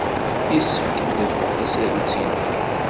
Yessefk ad d-afeɣ tasarut-inu.